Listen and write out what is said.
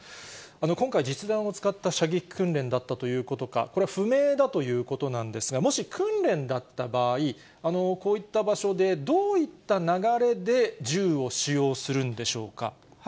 今回、実弾を使った射撃訓練だったということか、これは不明だということなんですが、もし訓練だった場合、こういった場所で、どういった流れで、銃を使用するんでしょうか。